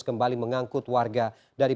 kembali mengangkut warga dari